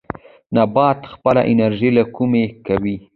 نباتات خپله انرژي له کومه کوي؟